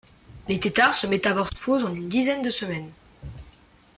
Les têtards se métamorphosent en une dizaine de semaines.